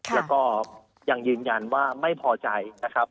แล้วก็ยังยืนยันว่าไม่พอใจนะครับ